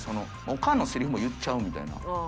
おかんのせりふも言っちゃうみたいな。